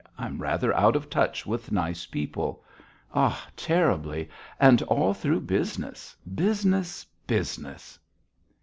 I'm rather out of touch with nice people. Ah! terribly. And all through business, business, business!"